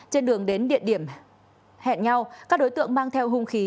trên đường đến địa điểm hẹn nhau các đối tượng mang theo hung khí